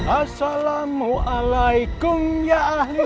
assalamualaikum ya ahli naraka